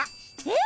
え？